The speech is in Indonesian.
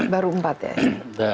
baru empat ya